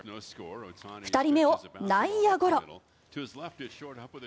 ２人目を内野ゴロ。